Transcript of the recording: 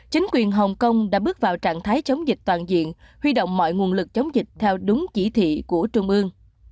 chính quyền hồng kông đã bước vào trạng thái chống dịch toàn diện huy động mọi nguồn lực chống dịch theo đúng chỉ thị của trung ương